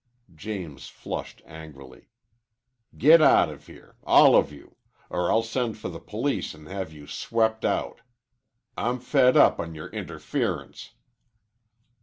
James flushed angrily. "Get out of here all of you! Or I'll send for the police and have you swept out. I'm fed up on your interference."